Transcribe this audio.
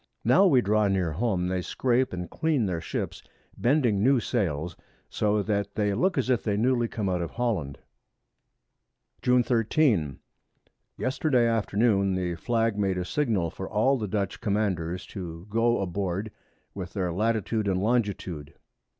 Now we draw near home, they scrape and clean their Ships, bending new Sails, so that they look as if newly come out of Holland. June 13. Yesterday Afternoon the Flag made a Signal for all the Dutch Commanders to go aboard with their Latitude and Longitude.